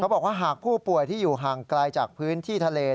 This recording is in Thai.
บอกว่าหากผู้ป่วยที่อยู่ห่างไกลจากพื้นที่ทะเล